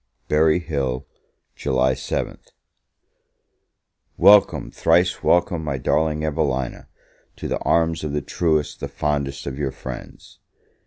Berry Hill, July 7th. WELCOME, thrice welcome, my darling Evelina, to the arms of the truest, the fondest of your friends!